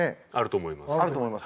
あると思います。